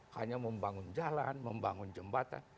hanya membangun jalan membangun jembatan